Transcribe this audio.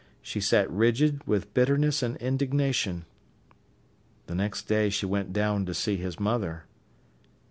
She sat rigid with bitterness and indignation. The next day she went down to see his mother.